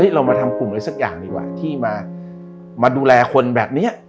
เรามาทำกลุ่มอะไรสักอย่างดีกว่าที่มาดูแลคนแบบนี้